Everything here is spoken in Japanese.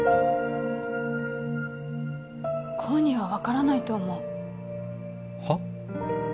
功には分からないと思うはっ？